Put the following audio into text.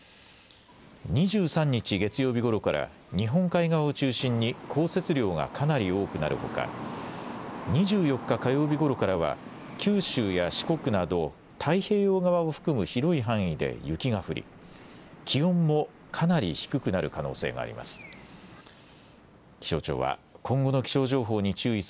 ２３日月曜日ごろから日本海側を中心に降雪量がかなり多くなるほか２４日火曜日ごろからは九州や四国など太平洋側を含む広い範囲で雪が降り気温もかなり低くなる可能性があります。